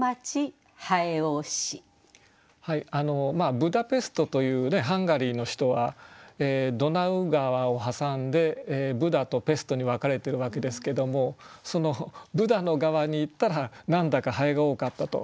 ブダペストというハンガリーの首都はドナウ川を挟んでブダとペストに分かれているわけですけどもそのブダの側に行ったら何だか蠅が多かったと。